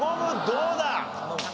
どうだ？